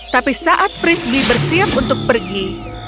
tapi saat frisbee bersiap untuk pergi